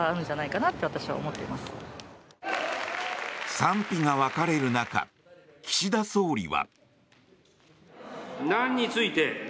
賛否が分かれる中岸田総理は。